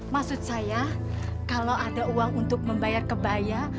maksud saya kalau ada uang untuk membayar kebaya